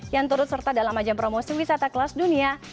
yang turut serta dalam ajang promosi wisata kelas dunia